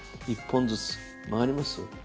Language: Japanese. １本ずつ曲がります？